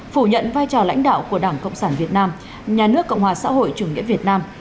phủ nhận vai trò lãnh đạo của đảng cộng sản việt nam nhà nước cộng hòa xã hội chủ nghĩa việt nam